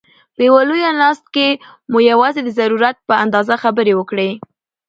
په یوه لویه ناست کښي مو یوازي د ضرورت په اندازه خبري وکړئ!